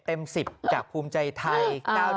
เต็ม๑๐จากภูมิใจไทย